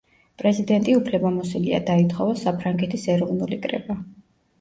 პრეზიდენტი უფლებამოსილია დაითხოვოს საფრანგეთის ეროვნული კრება.